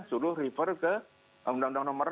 suruh refer ke undang undang nomor